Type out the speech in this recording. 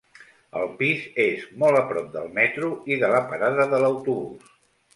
El pis és molt a prop del metro i de la parada de l'autobús.